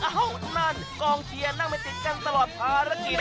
โอ้โฮนั่นกล้องเชียร์นั่งไปติดกันตลอดภารกิจ